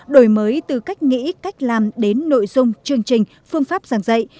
đổi mới từ cách nghĩ cách làm đến nội dung chương trình phương pháp giảng dạy